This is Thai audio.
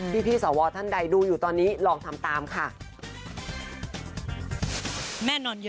พี่สวท่านใดดูอยู่ตอนนี้ลองทำตามค่ะ